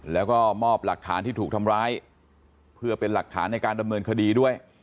แล้วก็มอบหลักฐานที่ถูกทำร้ายเพื่อเป็นหลักฐานในการดำเนินคดีด้วย